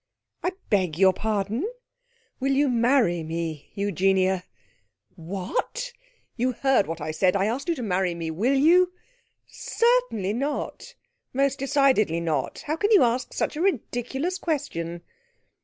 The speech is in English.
'I beg your pardon?' 'Will you many me, Eugenia?' 'What?' 'You heard what I said. I asked you to marry me. Will you?' 'Certainly not! Most decidedly not! How can you ask such a ridiculous question!'